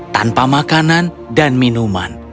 tanpa makanan dan minuman